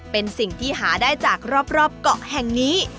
เป็นสิ่งที่หาได้จากรอบเกาะแห่งนี้